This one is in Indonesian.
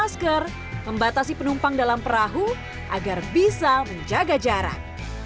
masker membatasi penumpang dalam perahu agar bisa menjaga jarak